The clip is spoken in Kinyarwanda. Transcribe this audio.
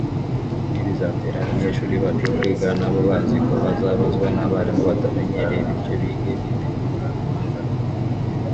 Ibi bizatera abanyeshuri bacu kwiga nabo bazi ko bazabazwa n’abarimu batamenyereye bityo bige bitegura guhangana